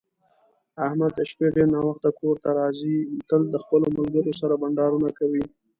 احمد د شپې ډېر ناوخته کورته راځي، تل د خپلو ملگرو سره بنډارونه کوي.